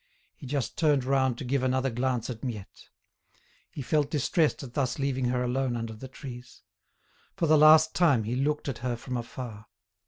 He just turned round to give another glance at Miette. He felt distressed at thus leaving her alone under the trees. For the last time he looked at her from afar.